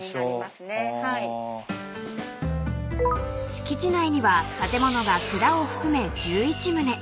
［敷地内には建物が蔵を含め１１棟］